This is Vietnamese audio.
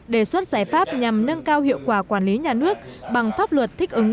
đề xuất giải pháp nhằm nâng cao hiệu quả quản lý nhà nước bằng pháp luật thích ứng